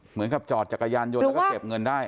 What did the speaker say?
เหมือนกับจอดจักรยานยนต์แล้วก็เก็บเงินได้